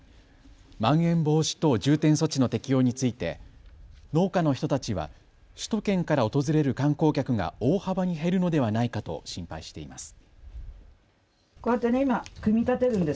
まん延防止等重点措置の適用について農家の人たちは首都圏から訪れる観光客が大幅に減るのではないかと心配しています。